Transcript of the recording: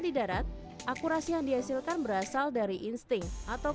di darat akurasi yang dihasilkan berasal dari insting atau